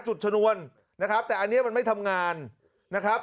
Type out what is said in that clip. ชนวนนะครับแต่อันนี้มันไม่ทำงานนะครับ